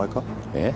えっ？